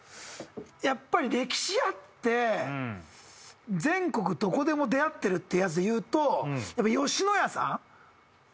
やっぱり歴史あって全国どこでも出会ってるってやつでいうとやっぱ野家さん？